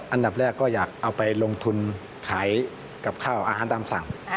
อันดับแรกก็อยากเอาไปลงทุนขายกับข้าวอาหารตามสั่ง